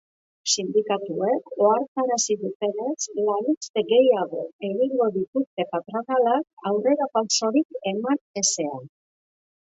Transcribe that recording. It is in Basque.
Sindikatuek ohartarazi dutenez, lanuzte gehiago egingo dituzte patronalak aurrerapausorik eman ezean.